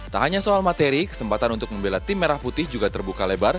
tak hanya soal materi kesempatan untuk membela tim merah putih juga terbuka lebar